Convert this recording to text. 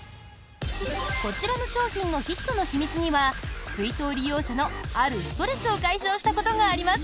こちらの商品のヒットの秘密には水筒利用者のあるストレスを解消したことがあります。